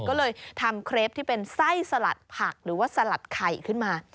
ก็เลยทำเครปที่เป็นไส้สลัดผักหรือว่าสลัดไข่ขึ้นมา